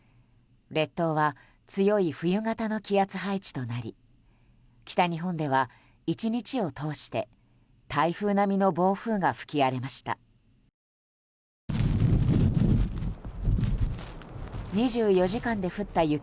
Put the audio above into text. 列島は強い冬型の気圧配置となり北日本では１日を通して台風並みの暴風が吹き荒れました。